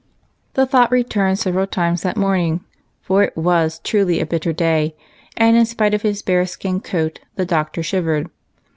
243 The thought returned several times that morning, for it ivas truly a bitter day, and, in spite of his bear skin coat, the Doctor shivered.